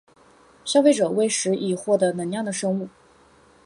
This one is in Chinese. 消费者为食以获得能量的生物。